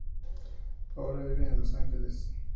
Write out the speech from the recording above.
Ahora vive en Los Ángeles.